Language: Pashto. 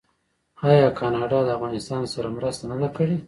آیا کاناډا د افغانستان سره مرسته نه ده کړې؟